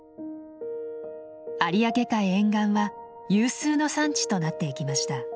有明海沿岸は有数の産地となっていきました。